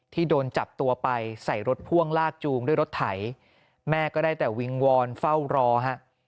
ที่โดนจับตัวไปใส่รถพ่วงลากจูงด้วยรถไถแม่ก็ได้แต่วิงวอนเฝ้ารอฮะ